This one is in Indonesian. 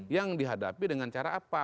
yang dihadapi dengan cara apa